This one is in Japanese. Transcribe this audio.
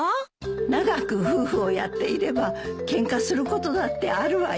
長く夫婦をやっていればケンカすることだってあるわよ。